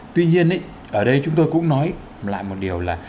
tuy nhiên ở đây chúng tôi cũng nói lại một điều là